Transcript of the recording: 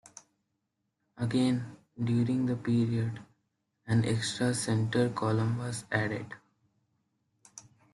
Again, during that period, an extra center column was added.